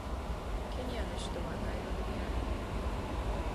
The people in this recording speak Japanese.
ケニアの首都はナイロビである